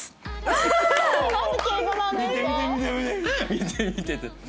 「見て見て」て。